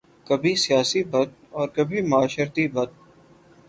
کبھی سیاسی بت اور کبھی معاشرتی بت